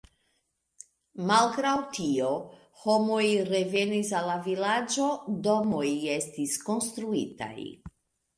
Malgraŭ tio, homoj revenis al la vilaĝo, domoj estis konstruitaj.